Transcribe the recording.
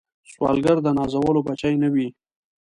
سوالګر د نازولو بچي نه وي